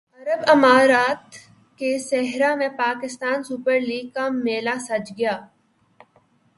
عرب امارات کے صحرا میں پاکستان سپر لیگ کا میلہ سج گیا